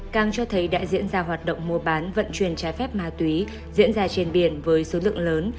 càng cho thấy đã diễn ra hoạt động mua bán vận chuyển trái phép ma túy diễn ra trên biển với số lượng lớn